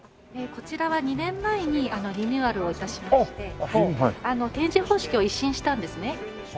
こちらは２年前にリニューアルをいたしまして展示方式を一新したんですね。